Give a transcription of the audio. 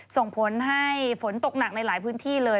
ส่งผลให้ฝนตกหนักในหลายพื้นที่เลย